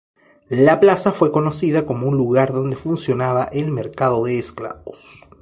La plaza fue conocida como un lugar donde funcionaba el mercado de esclavos.